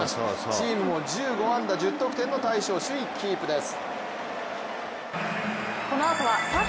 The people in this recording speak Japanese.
チームも１５安打１０得点の大勝首位キープです。